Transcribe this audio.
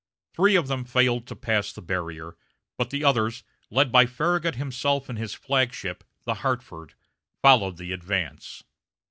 Three of them failed to pass the barrier, but the others, led by Farragut himself in his flag ship, the Hartford, followed the advance.